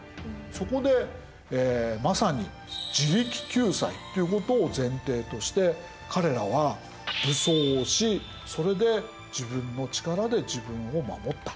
そこでまさに自力救済ということを前提として彼らは武装をしそれで自分の力で自分を守った。